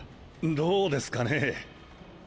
どうですかねぇ。